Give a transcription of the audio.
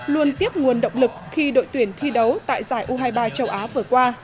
luôn tiếp nguồn động lực khi đội tuyển thi đấu tại giải u hai mươi ba châu á vừa qua